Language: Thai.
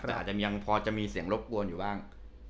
แต่อาจจะยังพอจะมีเสียงรบกวนอยู่บ้าง